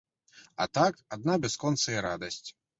А так, адна бясконцая радасць.